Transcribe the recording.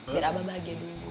biar abah bahagia dulu